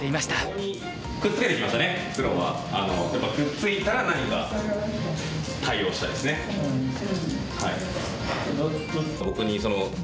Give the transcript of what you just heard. やっぱりくっついたら何か対応したいですね。